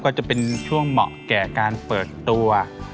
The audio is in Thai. ก็จะเป็นช่วงเหมาะแก่การเปิดตัว